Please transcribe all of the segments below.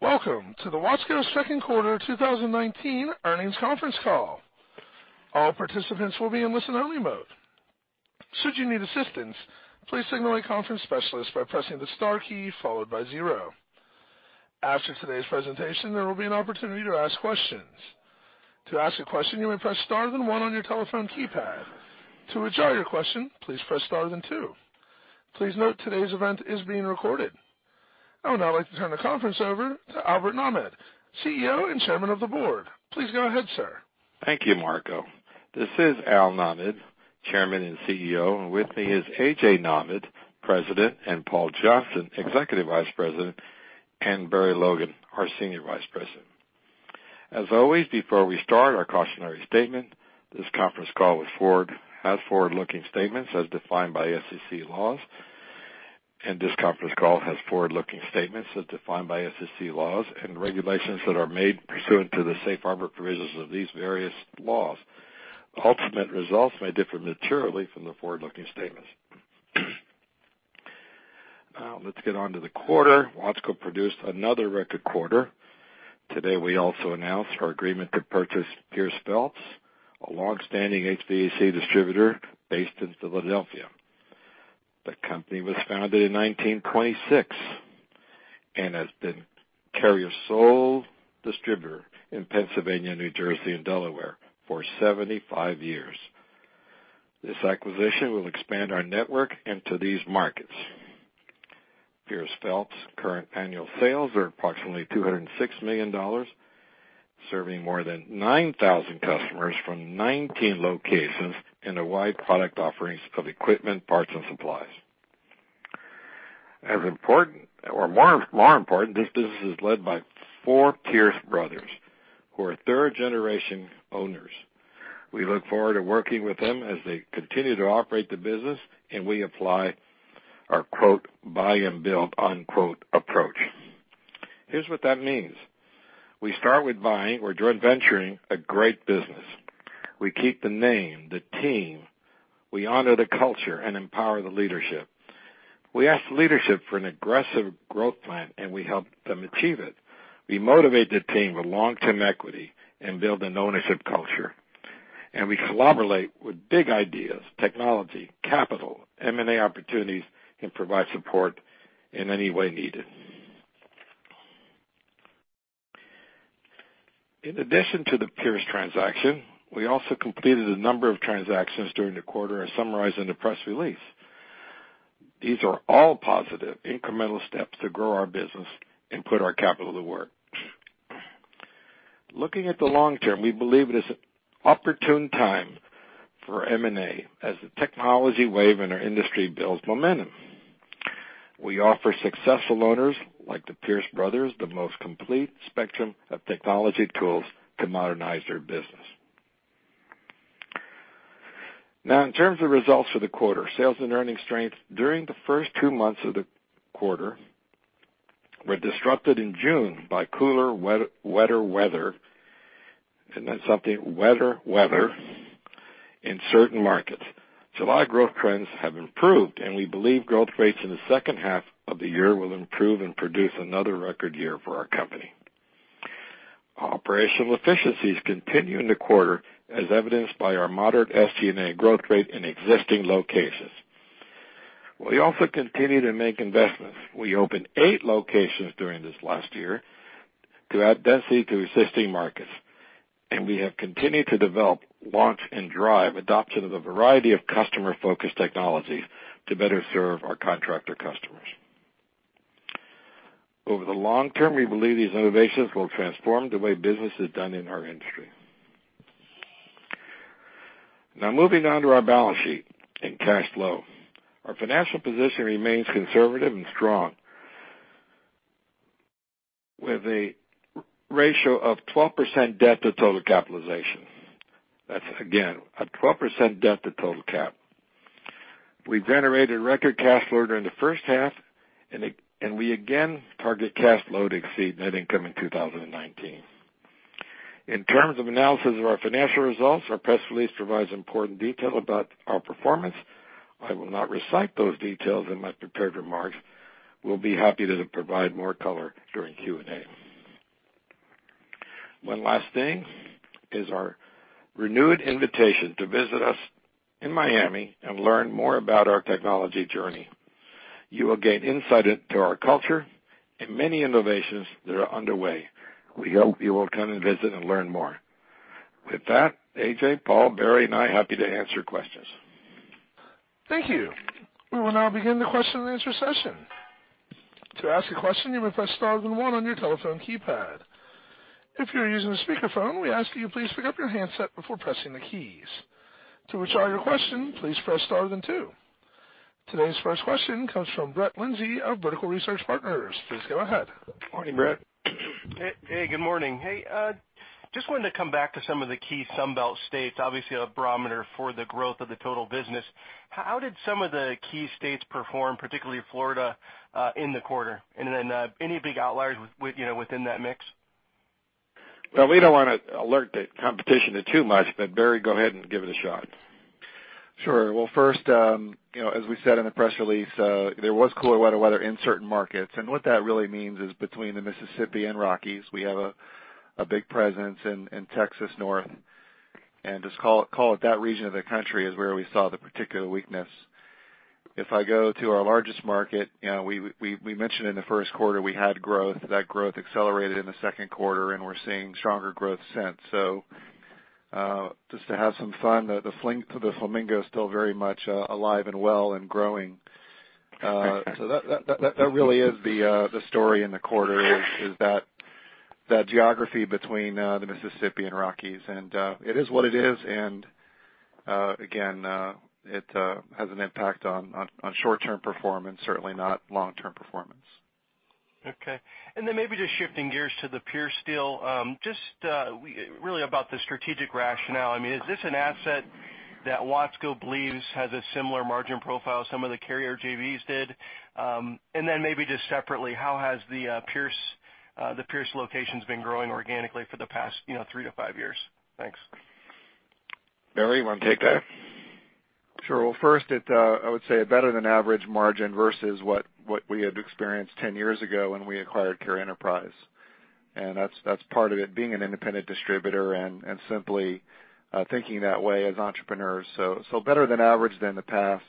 Welcome to the Watsco second quarter 2019 earnings conference call. I would now like to turn the conference over to Albert Nahmad, CEO and Chairman of the Board. Please go ahead, sir. Thank you, Marco. This is Al Nahmad, Chairman and CEO. With me is A.J. Nahmad, President, Paul Johnston, Executive Vice President, and Barry Logan, our Senior Vice President. As always, before we start our cautionary statement, this conference call has forward-looking statements as defined by SEC laws and regulations that are made pursuant to the safe harbor provisions of these various laws. Ultimate results may differ materially from the forward-looking statements. Now let's get on to the quarter. Watsco produced another record quarter. Today, we also announced our agreement to purchase Peirce-Phelps, a longstanding HVAC distributor based in Philadelphia. The company was founded in 1926 and has been Carrier's sole distributor in Pennsylvania, New Jersey, and Delaware for 75 years. This acquisition will expand our network into these markets. Peirce-Phelps' current annual sales are approximately $206 million, serving more than 9,000 customers from 19 locations in a wide product offering of equipment, parts, and supplies. As important or more important, this business is led by four Peirce brothers who are third-generation owners. We look forward to working with them as they continue to operate the business, and we apply our quote, "buy and build," unquote approach. Here's what that means. We start with buying or joint venturing a great business. We keep the name, the team. We honor the culture and empower the leadership. We ask leadership for an aggressive growth plan, and we help them achieve it. We motivate the team with long-term equity and build an ownership culture, and we collaborate with big ideas, technology, capital, M&A opportunities, and provide support in any way needed. In addition to the Peirce transaction, we also completed a number of transactions during the quarter as summarized in the press release. These are all positive incremental steps to grow our business and put our capital to work. Looking at the long term, we believe it is an opportune time for M&A as the technology wave in our industry builds momentum. We offer successful owners, like the Peirce brothers, the most complete spectrum of technology tools to modernize their business. Now, in terms of results for the quarter, sales and earnings strength during the first two months of the quarter were disrupted in June by cooler, wet-wetter weather, and that's something, wetter weather in certain markets. July growth trends have improved, and we believe growth rates in the second half of the year will improve and produce another record year for our company. Operational efficiencies continue in the quarter, as evidenced by our moderate SG&A growth rate in existing locations. We also continue to make investments. We opened eight locations during this last year to add density to existing markets, and we have continued to develop, launch, and drive adoption of a variety of customer-focused technologies to better serve our contractor customers. Over the long term, we believe these innovations will transform the way business is done in our industry. Moving on to our balance sheet and cash flow. Our financial position remains conservative and strong with a ratio of 12% debt to total capitalization. That's again, a 12% debt to total cap. We generated record cash flow during the first half, and we again target cash flow to exceed net income in 2019. In terms of analysis of our financial results, our press release provides important detail about our performance. I will not recite those details in my prepared remarks. We'll be happy to provide more color during Q&A. One last thing is our renewed invitation to visit us in Miami and learn more about our technology journey. You will gain insight into our culture and many innovations that are underway. We hope you will come and visit and learn more. With that, AJ, Paul, Barry, and I are happy to answer questions. Thank you. We will now begin the question-and-answer session. Today's first question comes from Brett Linzey of Vertical Research Partners. Please go ahead. Morning, Brett. Hey, good morning. Hey, just wanted to come back to some of the key Sunbelt states, obviously a barometer for the growth of the total business. How did some of the key states perform, particularly Florida in the quarter? Then, any big outliers with, you know, within that mix? We don't want to alert the competition to too much, but Barry, go ahead and give it a shot. Sure. Well, first, you know, as we said in the press release, there was cooler weather in certain markets. What that really means is between the Mississippi and Rockies, we have a big presence in Texas North and just call it that region of the country is where we saw the particular weakness. If I go to our largest market, you know, we mentioned in the first quarter we had growth. That growth accelerated in the second quarter, and we're seeing stronger growth since. Just to have some fun, the flamingo is still very much alive and well and growing. That really is the story in the quarter is that geography between the Mississippi and Rockies. It is what it is. Again, it has an impact on short-term performance, certainly not long-term performance. Okay. Maybe just shifting gears to the Peirce-Phelps, Inc., just really about the strategic rationale. I mean, is this an asset that Watsco believes has a similar margin profile some of the Carrier JVs did? Maybe just separately, how has the Peirce-Phelps locations been growing organically for the past, you know, three to five years? Thanks. Barry, you want to take that? Sure. Well, first it, I would say a better than average margin versus what we had experienced 10 years ago when we acquired Carrier Enterprise. That's part of it, being an independent distributor and simply thinking that way as entrepreneurs. Better than average than the past.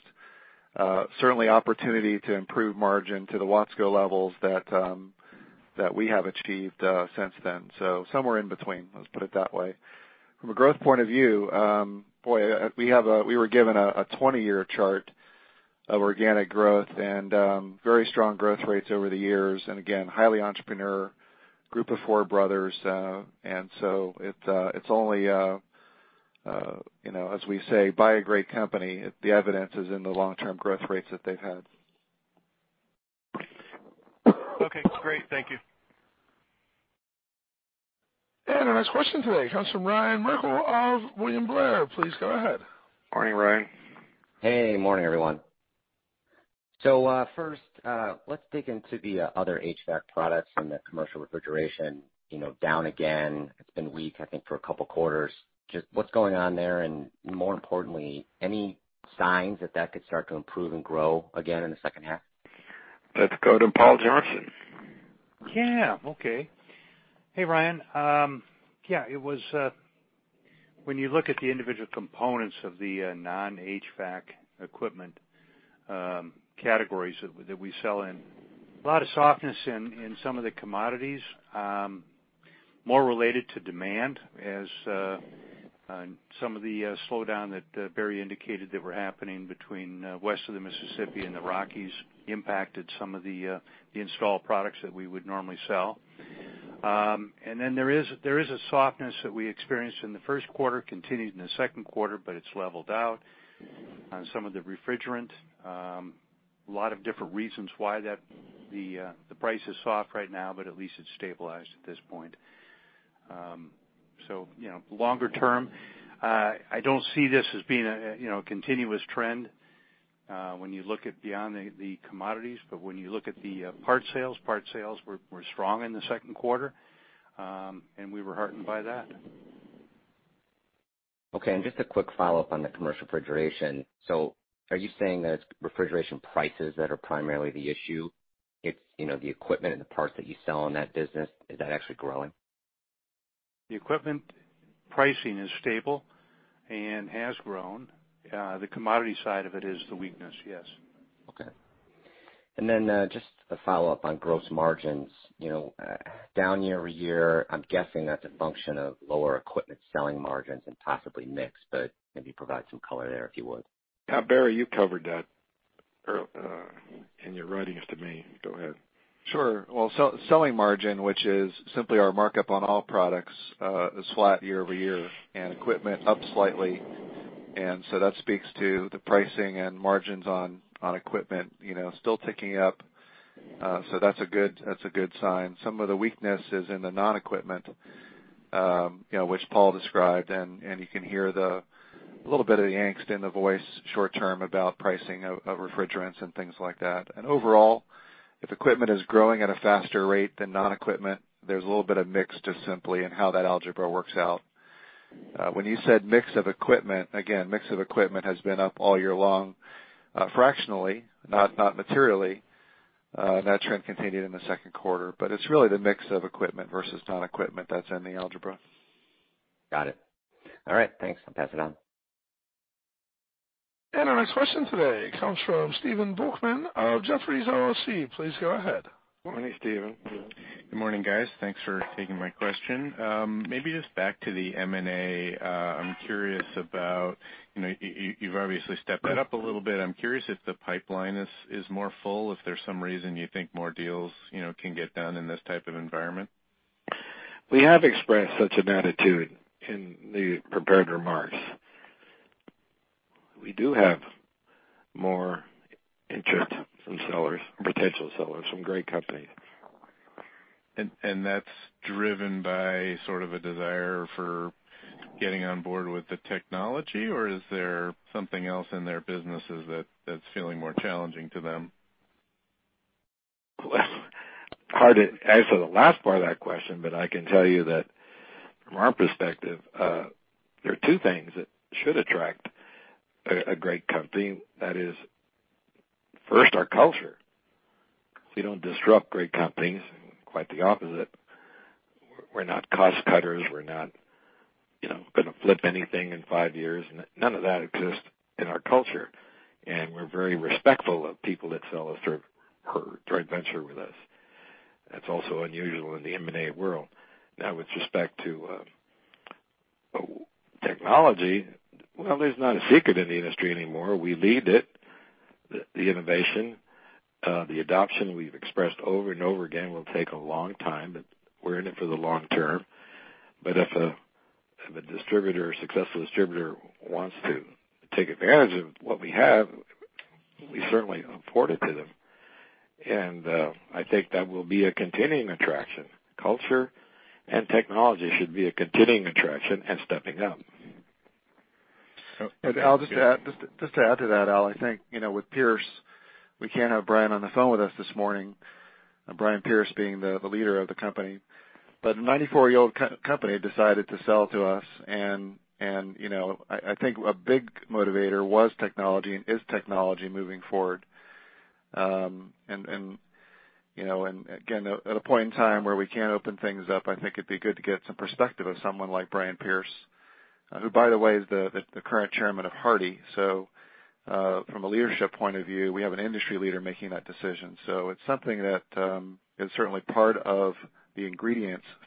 Certainly, opportunity to improve margin to the Watsco levels that we have achieved since then. Somewhere in between, let's put it that way. From a growth point of view, boy, we were given a 20-year chart of organic growth and very strong growth rates over the years. Again, highly entrepreneur group of four brothers. It's only, you know, as we say, buy a great company. The evidence is in the long-term growth rates that they've had. Okay, great. Thank you. Our next question today comes from Ryan Merkel of William Blair. Please go ahead. Morning, Ryan. Hey, morning everyone. First, let's dig into the other HVAC products and the commercial refrigeration, you know, down again. It's been weak, I think, for a couple quarters. Just what's going on there, and more importantly, any signs that that could start to improve and grow again in the second half? Let's go to Paul Johnston. Yeah. Okay. Hey, Ryan. Yeah, it was when you look at the individual components of the non-HVAC equipment categories that we sell in, a lot of softness in some of the commodities, more related to demand as on some of the slowdown that Barry indicated that were happening between west of the Mississippi and the Rockies impacted some of the install products that we would normally sell. There is a softness that we experienced in the first quarter, continued in the second quarter but it's leveled out on some of the refrigerant. A lot of different reasons why that the price is soft right now, but at least it's stabilized at this point. You know, longer term, I don't see this as being a, you know, a continuous trend, when you look at beyond the commodities. When you look at the parts sales, parts sales were strong in the second quarter, and we were heartened by that. Okay. Just a quick follow-up on the commercial refrigeration. Are you saying that it's refrigeration prices that are primarily the issue? It's, you know, the equipment and the parts that you sell in that business, is that actually growing? The equipment pricing is stable and has grown. The commodity side of it is the weakness, yes. Okay. Then, just a follow-up on gross margins, you know, down year-over-year. I'm guessing that's a function of lower equipment selling margins and possibly mix, but maybe provide some color there, if you would. Yeah. Barry, you covered that, and you're writing it to me. Go ahead. Sure. Well, selling margin, which is simply our markup on all products, is flat year-over-year, and equipment up slightly. That speaks to the pricing and margins on equipment, you know, still ticking up. So that's a good sign. Some of the weakness is in the non-equipment, you know, which Paul described, and you can hear the little bit of the angst in the voice short term about pricing of refrigerants and things like that. Overall, if equipment is growing at a faster rate than non-equipment, there's a little bit of mix just simply in how that algebra works out. When you said mix of equipment, again, mix of equipment has been up all year long, fractionally, not materially. That trend continued in the second quarter. It's really the mix of equipment versus non-equipment that's in the algebra. Got it. All right, thanks. I'll pass it on. Our next question today comes from Stephen Volkmann of Jefferies LLC. Please go ahead. Morning, Stephen. Good morning, guys. Thanks for taking my question. Maybe just back to the M&A, I'm curious about, you know, you've obviously stepped that up a little bit. I'm curious if the pipeline is fuller, if there's some reason you think more deals, you know, can get done in this type of environment. We have expressed such an attitude in the prepared remarks. We do have more interest from sellers, potential sellers from great companies. That's driven by sort of a desire for getting on board with the technology, or is there something else in their businesses that's feeling more challenging to them? Well, hard to answer the last part of that question, but I can tell you that from our perspective, there are two things that should attract a great company. That is, first, our culture. We don't disrupt great companies, quite the opposite. We're not cost cutters. We're not, you know, going to flip anything in five years. None of that exists in our culture. We're very respectful of people that sell us or joint venture with us. That's also unusual in the M&A world. Now, with respect to technology, well, there's not a secret in the industry anymore. We lead it, the innovation. The adoption, we've expressed over and over again, will take a long time, but we're in it for the long term. If a successful distributor wants to take advantage of what we have, we certainly afford it to them. I think that will be a continuing attraction. Culture and technology should be a continuing attraction and stepping up. Al, just to add to that, Al, I think, you know, with Peirce, we can't have Brian on the phone with us this morning, Brian Peirce being the leader of the company. A 94-year-old company decided to sell to us, and, you know, I think a big motivator was technology and is technology moving forward. And, you know, again, at a point in time where we can open things up, I think it'd be good to get some perspective of someone like Brian Peirce, who, by the way, is the current chairman of HARDI. From a leadership point of view, we have an industry leader making that decision.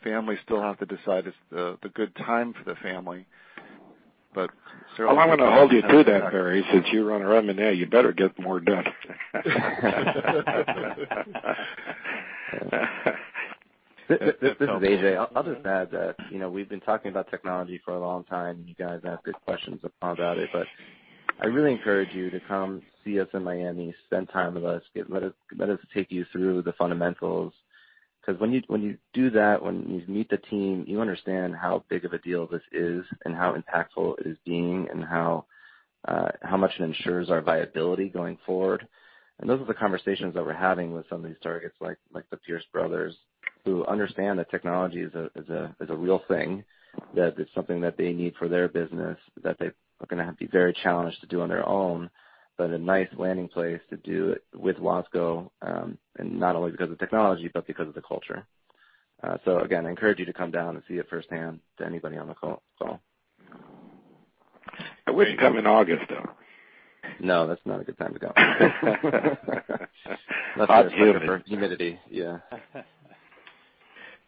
Families still have to decide it's the good time for the family. But certainly. Well, I'm going to hold you to that, Barry. Since you run around with me, you better get more done. This is A.J. I'll just add that, you know, we've been talking about technology for a long time. You guys ask good questions about it, but I really encourage you to come see us in Miami, spend time with us. Let us take you through the fundamentals. Because when you do that, when you meet the team, you understand how big of a deal this is and how impactful it is being and how much it ensures our viability going forward. Those are the conversations that we're having with some of these targets, like the Peirce brothers, who understand that technology is a real thing, that it's something that they need for their business, that they are going to have to be very challenged to do on their own, but a nice landing place to do it with Watsco, and not only because of technology, but because of the culture. Again, I encourage you to come down and see it firsthand to anybody on the call. I wouldn't come in August, though. No, that's not a good time to come. Hot and humid. Humidity. Yeah.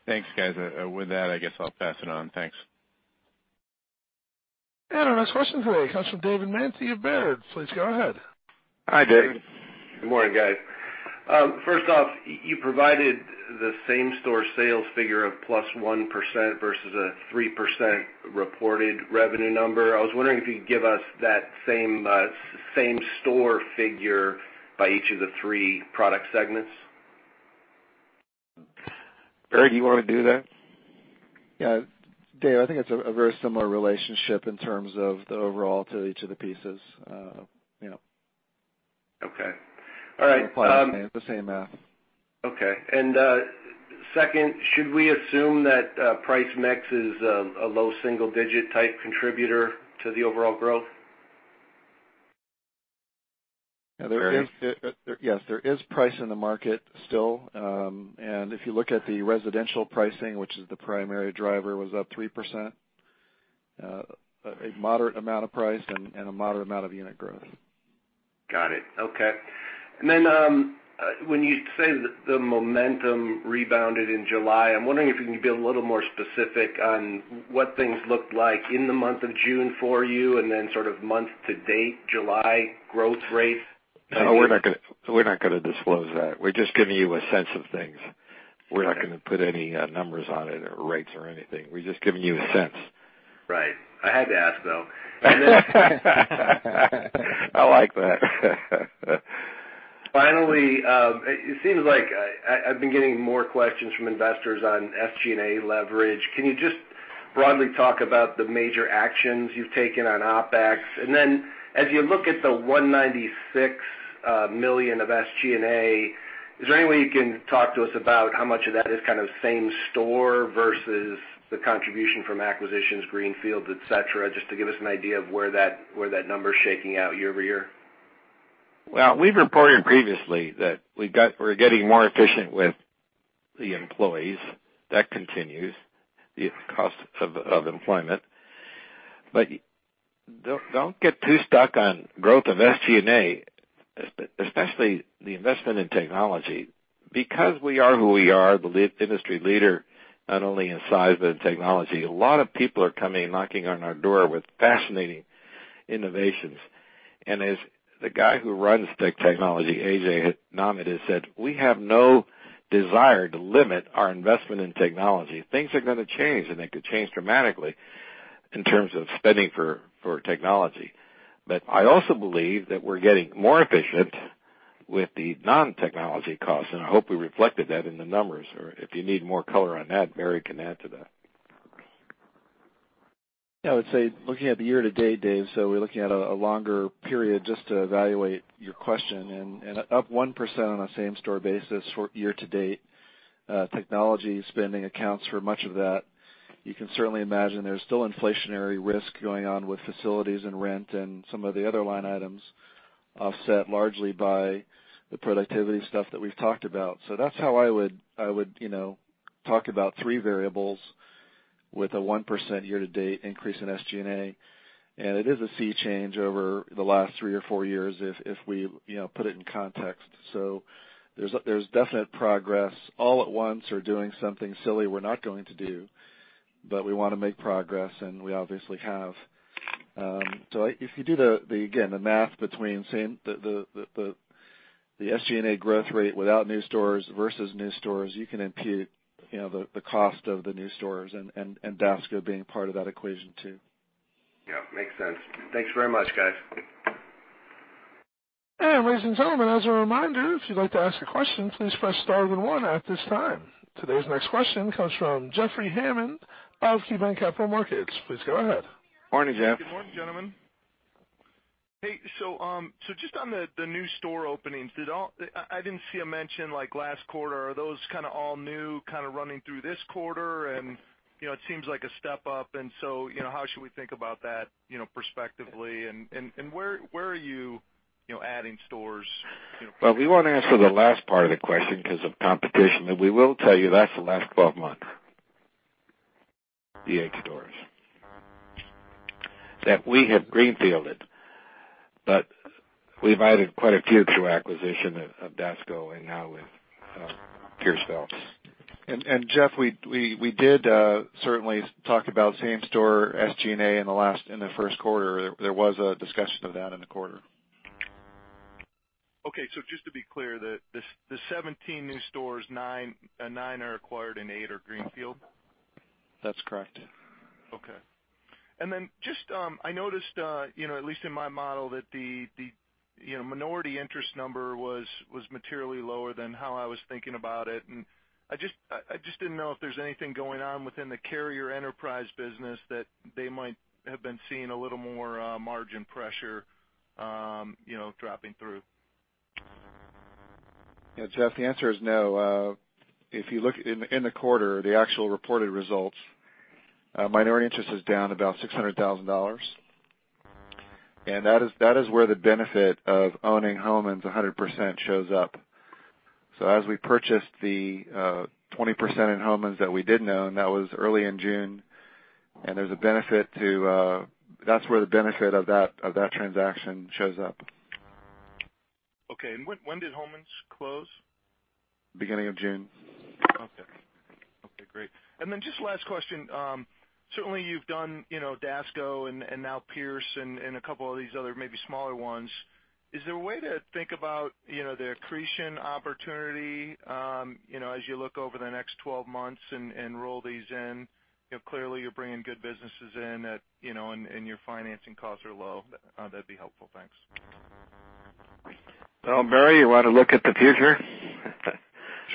Thanks, guys. With that, I guess I'll pass it on. Thanks. Our next question today comes from David Manthey of Baird. Please go ahead. Hi, David. Good morning, guys. First off, you provided the same-store sales figure of +1% versus a 3% reported revenue number. I was wondering if you could give us that same store figure by each of the three product segments. Barry, do you want to do that? Yeah. David, I think it's a very similar relationship in terms of the overall to each of the pieces, you know. Okay. All right. Apply the same math. Okay. Second, should we assume that price mix is a low single digit type contributor to the overall growth? Yeah. Barry? Yes, there is price in the market still. If you look at the residential pricing, which is the primary driver, was up 3%. A moderate amount of price and a moderate amount of unit growth. Got it. Okay. When you say the momentum rebounded in July, I'm wondering if you can be a little more specific on what things looked like in the month of June for you and then sort of month-to-date, July growth rate. No, we're not going to disclose that. We're just giving you a sense of things. We're not going to put any numbers on it or rates or anything. We're just giving you a sense. Right. I had to ask, though. I like that. It seems like I've been getting more questions from investors on SG&A leverage. Can you just broadly talk about the major actions you've taken on OpEx? As you look at the $196 million of SG&A, is there any way you can talk to us about how much of that is kind of same store versus the contribution from acquisitions, green fields, et cetera, just to give us an idea of where that, where that number is shaking out year-over-year? Well, we've reported previously that we're getting more efficient with the employees. That continues, the cost of employment. Don't get too stuck on growth of SG&A, especially the investment in technology. Because we are who we are, the industry leader, not only in size, but in technology, a lot of people are coming and knocking on our door with fascinating innovations. As the guy who runs the technology, A.J. Nahmad, has said, we have no desire to limit our investment in technology. Things are going to change, and they could change dramatically in terms of spending for technology. I also believe that we're getting more efficient with the non-technology costs, and I hope we reflected that in the numbers. If you need more color on that, Barry can add to that. I would say looking at the year to date, David, we're looking at a longer period just to evaluate your question, up 1% on a same-store basis for year to date. Technology spending accounts for much of that. You can certainly imagine there's still inflationary risk going on with facilities and rent and some of the other line items offset largely by the productivity stuff that we've talked about. That's how I would, you know, talk about three variables with a 1% year-to-date increase in SG&A. It is a sea change over the last three or four years if we, you know, put it in context. There's definite progress all at once or doing something silly we're not going to do, but we want to make progress, and we obviously have. If you do the again, the math between the SG&A growth rate without new stores versus new stores, you can impute, you know, the cost of the new stores and Dasco being part of that equation too. Yeah, makes sense. Thanks very much, guys. Ladies and gentlemen, as a reminder, if you'd like to ask a question, please press star then one at this time. Today's next question comes from Jeffrey Hammond of KeyBanc Capital Markets. Please go ahead. Morning, Jeff. Good morning, gentlemen. Just on the new store openings, I didn't see a mention last quarter. Are that kind of all new, kind of running through this quarter? You know, it seems like a step up. You know, how should we think about that, you know, perspectively? Where are you know, adding stores? Well, we won't answer the last part of the question because of competition, but we will tell you that's the last 12 months, the eight stores that we have greenfielded, but we've added quite a few through acquisition of DASCO and now with Peirce-Phelps. Jeff, we did certainly talk about same store SG&A in the. There was a discussion of that in the quarter. Just to be clear, the 17 new stores, nine are acquired and eight are greenfield? That's correct. Just, I noticed, you know, at least in my model that the minority interest number was materially lower than how I was thinking about it. I just didn't know if there's anything going on within the Carrier Enterprise business that they might have been seeing a little more margin pressure, you know, dropping through. Yeah, Jeff, the answer is no. If you look in the quarter, the actual reported results, minority interest is down about $600,000. That is where the benefit of owning Homans 100% shows up. As we purchased the 20% in Homans Associates that we didn't own, that was early in June, that's where the benefit of that, of that transaction shows up. When did Homans Associates close? Beginning of June. Great. Just last question. Certainly you've done, you know, DASCO Supply and now Peirce-Phelps and a couple of these other maybe smaller ones. Is there a way to think about, you know, the accretion opportunity, you know, as you look over the next 12 months and roll these in? You know, clearly, you're bringing good businesses in at, you know, and your financing costs are low. That'd be helpful. Thanks. Well, Barry Logan, you want to look at the future? Sure.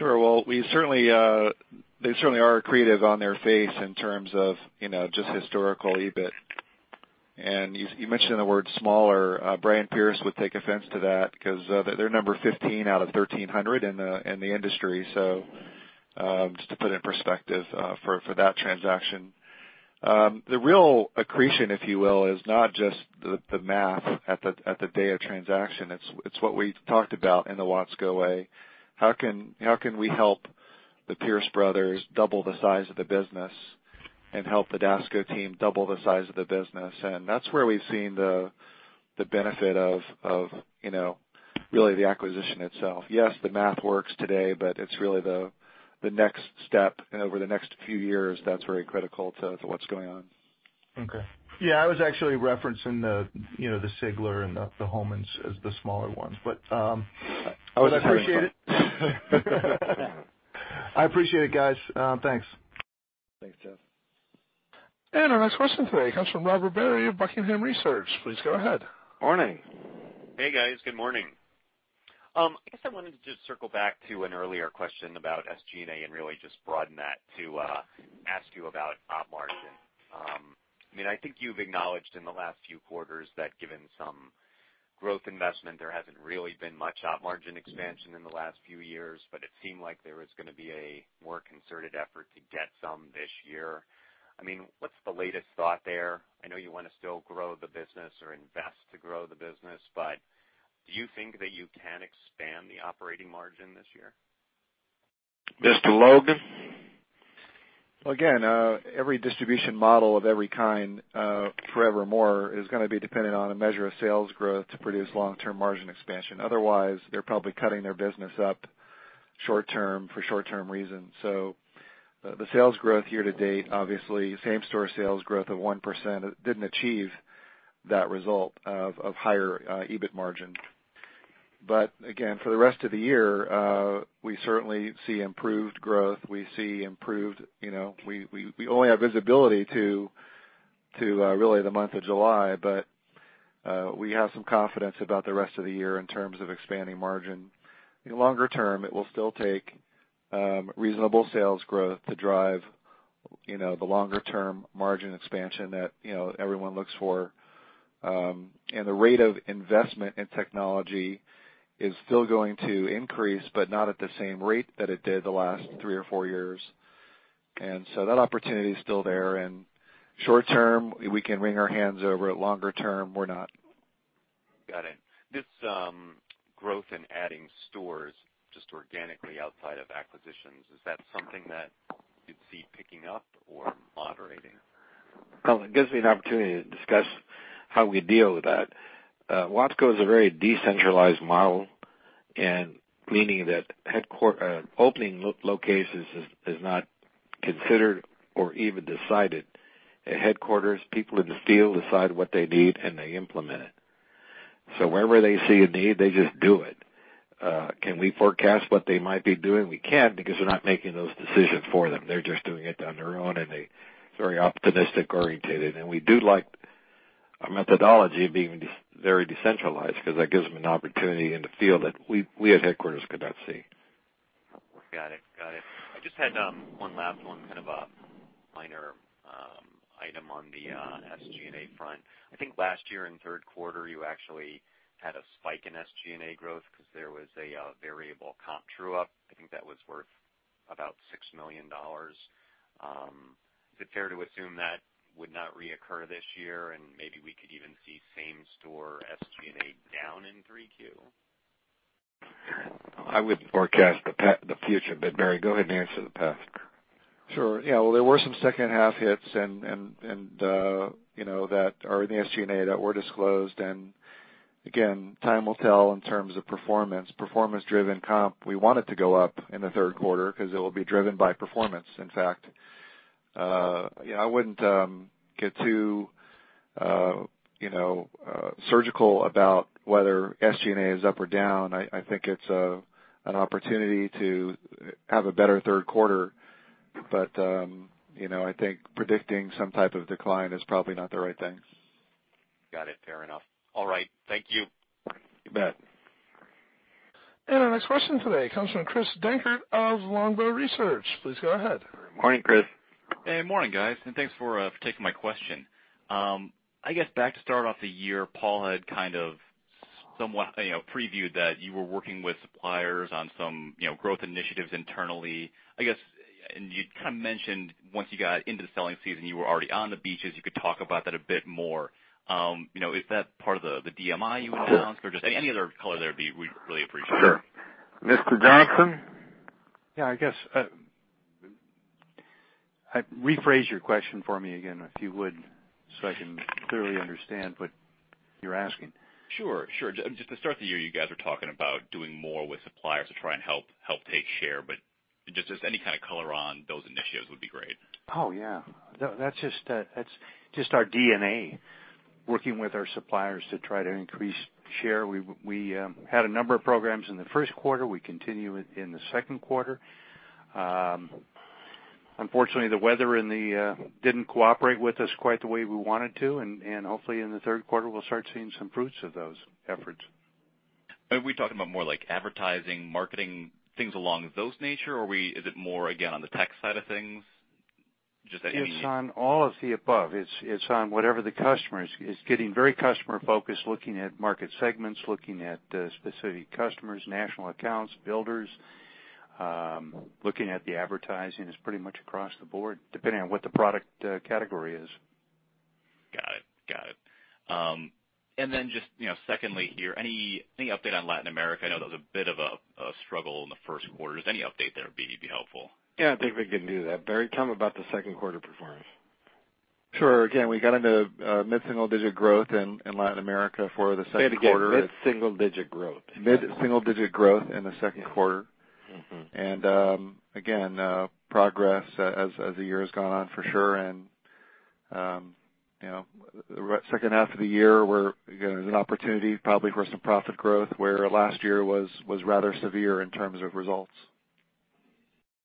Well, we certainly, they certainly are accretive on their face in terms of, you know, just historical EBIT. You, you mentioned the word smaller. Brian Peirce would take offense to that because they're number 15 out of 1,300 in the industry. Just to put it in perspective, for that transaction. The real accretion, if you will, is not just the math at the day of transaction. It's what we talked about in the Watsco way. How can we help the Peirce brothers double the size of the business and help the Dasco team double the size of the business? That's where we've seen the benefit of, you know, really the acquisition itself. Yes, the math works today, but it's really the next step over the next few years that's very critical to what's going on. Okay. Yeah, I was actually referencing the, you know, Sigler and the Homans as the smaller ones. I appreciate it, guys. Thanks. Thanks, Jeff. Our next question today comes from Robert Barry of Buckingham Research. Please go ahead. Morning. Hey, guys. Good morning. I guess I wanted to just circle back to an earlier question about SG&A and really just broaden that to ask you about op margin. I mean, I think you've acknowledged in the last few quarters that given some growth investment, there hasn't really been much op margin expansion in the last few years, but it seemed like there was going to be a more concerted effort to get some this year. I mean, what's the latest thought there? I know you want to still grow the business or invest to grow the business, but do you think that you can expand the operating margin this year? Mr. Logan. Well, again, every distribution model of every kind, forevermore is gonna be dependent on a measure of sales growth to produce long-term margin expansion. Otherwise, they're probably cutting their business up short term for short-term reasons. The sales growth year to date, obviously same-store sales growth of 1% didn't achieve that result of higher EBIT margin. Again, for the rest of the year, we certainly see improved growth. We see improved, you know, we only have visibility to really the month of July. We have some confidence about the rest of the year in terms of expanding margin. In longer term, it will still take reasonable sales growth to drive, you know, the longer-term margin expansion that, you know, everyone looks for. The rate of investment in technology is still going to increase, but not at the same rate that it did the last three or four years. That opportunity is still there. Short term, we can wring our hands over it. Longer term, we're not. Got it. This growth in adding stores just organically outside of acquisitions, is that something that you'd see picking up or moderating? Well, it gives me an opportunity to discuss how we deal with that. Watsco is a very decentralized model and meaning that opening locations is not considered or even decided at headquarters. People in the field decide what they need, and they implement it. Wherever they see a need, they just do it. Can we forecast what they might be doing? We can't because they're not making those decisions for them. They're just doing it on their own, and they're very opportunistic orientated. We do like our methodology being very decentralized because that gives them an opportunity in the field that we at headquarters could not see. Got it. Got it. I just had one last one, kind of a minor item on the SG&A front. I think last year in third quarter, you actually had a spike in SG&A growth because there was a variable comp true up. I think that was worth about $6 million. Is it fair to assume that would not reoccur this year and maybe we could even see same store SG&A down in 3Q? I wouldn't forecast the future, but Barry, go ahead and answer the past. Sure. Yeah. There were some second half hits and, you know, that are in the SG&A that were disclosed. Again, time will tell in terms of performance. Performance-driven comp, we want it to go up in the third quarter because it will be driven by performance, in fact. Yeah, I wouldn't get too, you know, surgical about whether SG&A is up or down. I think it's an opportunity to have a better third quarter. You know, I think predicting some type of decline is probably not the right thing. Got it. Fair enough. All right. Thank you. You bet. Our next question today comes from Chris Dankert of Longbow Research. Please go ahead. Morning, Chris. Hey, morning, guys, and thanks for taking my question. I guess back to start off the year, Paul had kind of somewhat, you know, previewed that you were working with suppliers on some, you know, growth initiatives internally. I guess, you kind of mentioned once you got into the selling season, you were already on the beaches. You could talk about that a bit more. You know, is that part of the DMI you announced or just any other color there would be, we'd really appreciate. Sure. Mr. Johnston? Yeah, I guess, rephrase your question for me again, if you would, so I can clearly understand what you're asking. Sure, sure. Just the start of the year, you guys were talking about doing more with suppliers to try and help take share, just any kind of color on those initiatives would be great. Oh, yeah. That's just, that's just our DNA working with our suppliers to try to increase share. We had a number of programs in the first quarter. We continue it in the second quarter. Unfortunately, the weather in the didn't cooperate with us quite the way we wanted to, and hopefully in the third quarter, we'll start seeing some fruits of those efforts. Are we talking about more like advertising, marketing, things along those nature, or is it more again, on the tech side of things? It's on all of the above. It's on whatever the customer is. It's getting very customer-focused, looking at market segments, looking at specific customers, national accounts, builders. Looking at the advertising is pretty much across the board, depending on what the product category is. Got it. Got it. Then just, you know, secondly here, any update on Latin America? I know that was a bit of a struggle in the first quarter. Is there any update there would be, would be helpful. Yeah, I think we can do that. Barry, tell him about the second quarter performance. Sure. Again, we got into mid-single digit growth in Latin America for the second quarter. Say it again. Mid-single digit growth. Mid-single digit growth in the second quarter. Again, progress as the year has gone on for sure. You know, the second half of the year where, you know, there's an opportunity probably for some profit growth, where last year was rather severe in terms of results.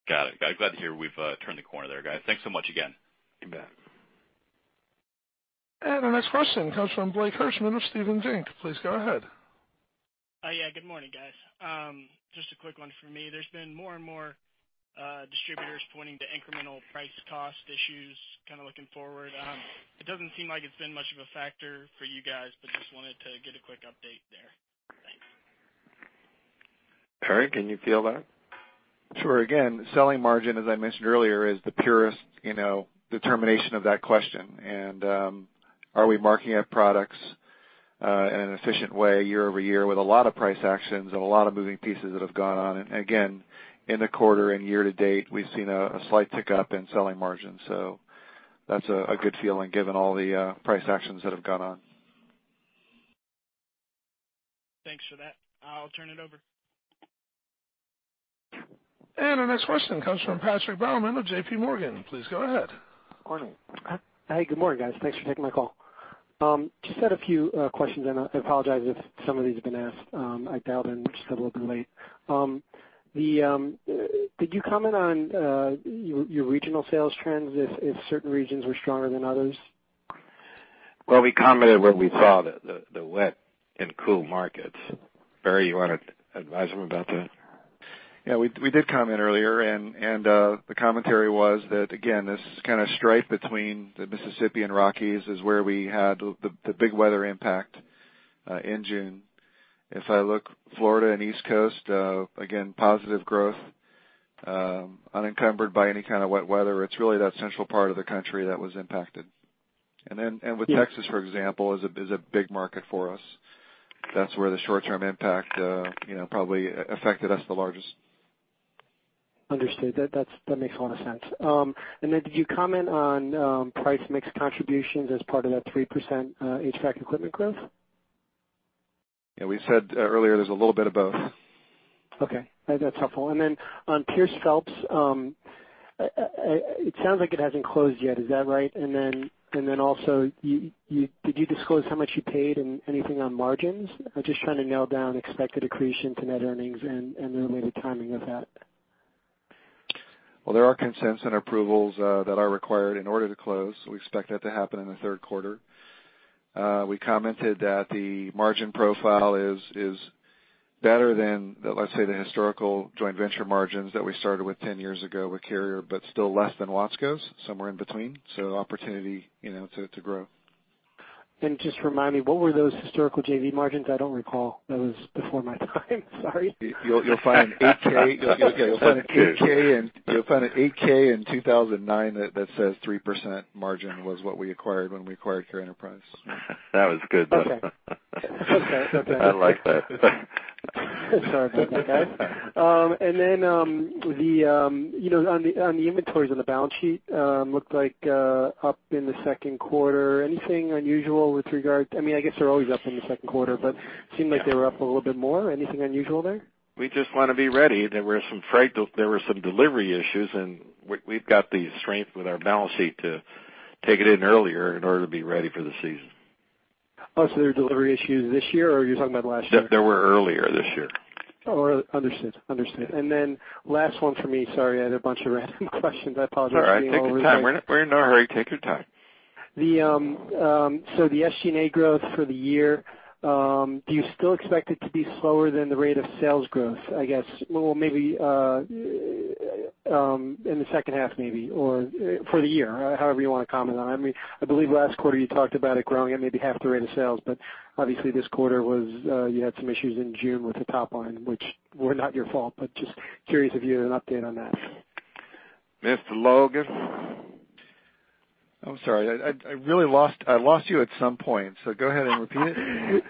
Got it. Glad to hear we've turned the corner there, guys. Thanks so much again. You bet. Our next question comes from Blake Hirschman of Stephens Inc. Please go ahead. Yeah, good morning, guys. Just a quick one for me. There's been more and more distributors pointing to incremental price cost issues, kind of looking forward. It doesn't seem like it's been much of a factor for you guys, but just wanted to get a quick update there. Thanks. Barry, can you field that? Sure. Again, selling margin, as I mentioned earlier, is the purest, you know, determination of that question. Are we marking up products in an efficient way year-over-year with a lot of price actions and a lot of moving pieces that have gone on? Again, in the quarter and year-to-date, we've seen a slight tick up in selling margin. That's a good feeling given all the price actions that have gone on. Thanks for that. I'll turn it over. Our next question comes from Patrick Baumann of JPMorgan. Please go ahead. Morning. Hey, good morning, guys. Thanks for taking my call. Just had a few questions. I apologize if some of these have been asked. I dialed in just a little bit late. Could you comment on your regional sales trends if certain regions were stronger than others? Well, we commented when we saw the wet and cool markets. Barry, you want to advise them about that? Yeah, we did comment earlier, and the commentary was that, again, this kind of stripe between the Mississippi and Rockies is where we had the big weather impact in June. If I look Florida and East Coast, again, positive growth, unencumbered by any kind of wet weather. It's really that central part of the country that was impacted. Yeah. With Texas, for example, is a big market for us. That's where the short-term impact, you know, probably affected us the largest. Understood. That makes a lot of sense. Did you comment on price mix contributions as part of that 3% HVAC equipment growth? Yeah. We said earlier there's a little bit of both. Okay. That's helpful. On Peirce-Phelps, it sounds like it hasn't closed yet. Is that right? Also, did you disclose how much you paid and anything on margins? I'm just trying to nail down expected accretion to net earnings and the related timing of that. There are consents and approvals that are required in order to close. We expect that to happen in the third quarter. We commented that the margin profile is better than, let's say, the historical joint venture margins that we started with 10 years ago with Carrier, but still less than Watsco's, somewhere in between. Opportunity, you know, to grow. Just remind me, what were those historical JV margins? I don't recall. That was before my time. Sorry. You'll find 8-K. You'll find an 8-K, in 2009 that says 3% margin was what we acquired when we acquired Carrier Enterprise. That was good though. Okay. That's all right. I like that. Sorry about that, guys. You know, on the inventories on the balance sheet, looked like up in the second quarter. Anything unusual? I mean, I guess they're always up in the second quarter, seemed like they were up a little bit more. Anything unusual there? We just want to be ready. There were some freights, there were some delivery issues, and we've got the strength with our balance sheet to take it in earlier in order to be ready for the season. Oh, there are delivery issues this year or you're talking about last year? There was earlier this year. Oh, understood. Understood. Last one for me. Sorry, I had a bunch of random questions. I apologize for taking all the time. It's all right. Take your time. We're in no hurry. Take your time. The SG&A growth for the year, do you still expect it to be slower than the rate of sales growth, I guess? Well, maybe in the second half maybe, or for the year, however you want to comment on it. I mean, I believe last quarter you talked about it growing at maybe half the rate of sales, but obviously this quarter was, you had some issues in June with the top line, which were not your fault, but just curious if you had an update on that. Mr. Logan. I'm sorry. I lost you at some point, so go ahead and repeat it.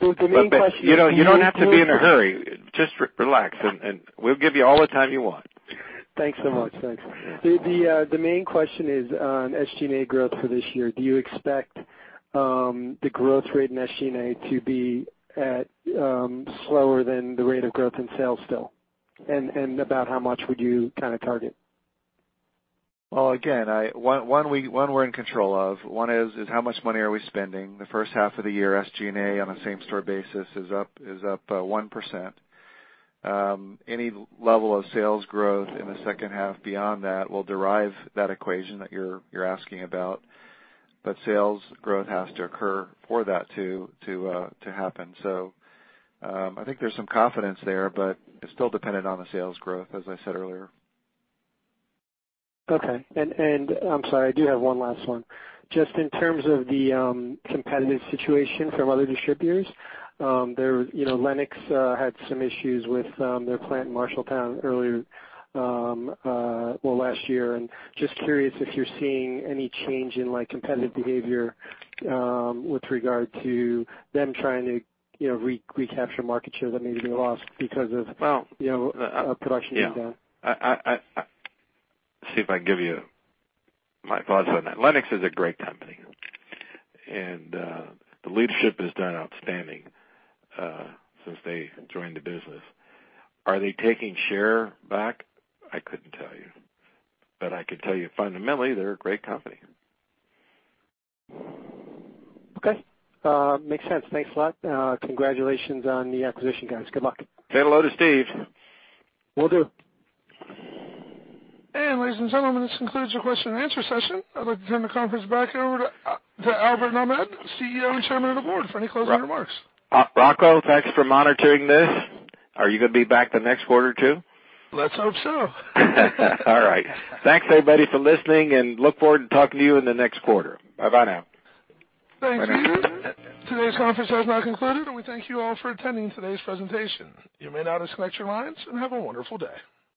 Well, the main question. You know, you don't have to be in a hurry. Just relax, and we'll give you all the time you want. Thanks so much. Thanks. The main question is on SG&A growth for this year. Do you expect the growth rate in SG&A to be at slower than the rate of growth in sales still? About how much would you kind of target? Well, again, one we're in control of. One is how much money are we spending? The first half of the year, SG&A on a same store basis is up 1%. Any level of sales growth in the second half beyond that will derive that equation that you're asking about, but sales growth has to occur for that to happen. I think there's some confidence there, but it's still dependent on the sales growth, as I said earlier. Okay. I'm sorry, I do have one last one. Just in terms of the competitive situation from other distributors, there, you know, Lennox had some issues with their plant in Marshalltown earlier, well, last year. Just curious if you're seeing any change in like competitive behavior with regard to them trying to, you know, recapture market share that maybe they lost because of you know, production going down. I see if I can give you my thoughts on that. Lennox is a great company, and the leadership has done outstanding since they joined the business. Are they taking share back? I couldn't tell you. I can tell you fundamentally they're a great company. Okay. Makes sense. Thanks a lot. Congratulations on the acquisition, guys. Good luck. Say hello to Steve. Will do. Ladies and gentlemen, this concludes your question-and-answer session. I'd like to turn the conference back over to Albert Nahmad, CEO and Chairman of the Board for any closing remarks. Rocco, thanks for monitoring this. Are you going to be back the next quarter too? Let's hope so. All right. Thanks, everybody, for listening and look forward to talking to you in the next quarter. Bye, bye now. Thanks. Today's conference has now concluded, and we thank you all for attending today's presentation. You may now disconnect your lines and have a wonderful day.